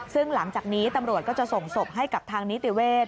ซึ่งหลังจากนี้ตำรวจก็จะส่งศพให้กับทางนิติเวศ